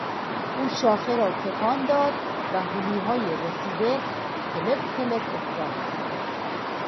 او شاخه را تکان داد و هلوهای رسیده، تلپ تلپ افتادند.